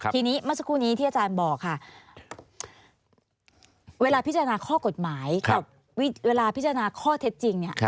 ทีนี้เมื่อสักครู่นี้ที่อาจารย์บอกค่ะเวลาพิจารณาข้อกฎหมายกับเวลาพิจารณาข้อเท็จจริงเนี่ย